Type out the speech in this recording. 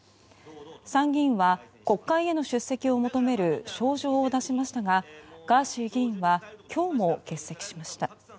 参議院は国会への出席を求める招状を出しましたがガーシー議員は今日も欠席しました。